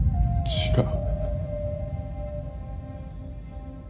違う。